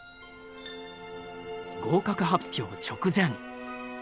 合格発表直前。